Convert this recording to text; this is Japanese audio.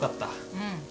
うん。